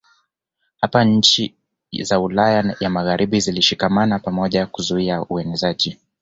Hapa nchi za Ulaya ya Magharibi zilishikamana pamoja kuzuia uenezaji